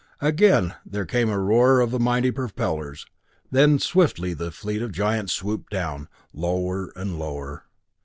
Again there came the roar of the mighty propellers. Then swiftly the fleet of giants swooped down, lower and lower.